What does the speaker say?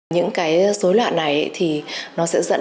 những cái dối loạn này thì nó sẽ dẫn đến